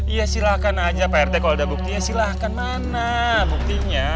ya silahkan aja pak rt kalau ada buktinya silahkan mana buktinya